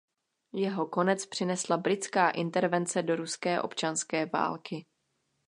Jeho konec přinesla britská intervence do ruské občanské války.